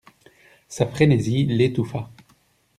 Sa frénésie l'étouffa.